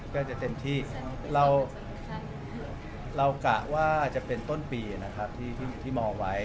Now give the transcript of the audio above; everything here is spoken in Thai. ก็จะเต็มที่เรากะว่าจะเป็นต้นปีนะครับที่มองไว้